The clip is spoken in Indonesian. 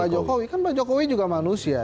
pak jokowi kan pak jokowi juga manusia